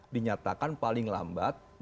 dinyatakan paling lambat